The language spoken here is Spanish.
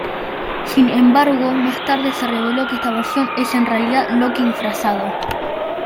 Sin embargo, más tarde se reveló que esta versión es en realidad Loki disfrazado.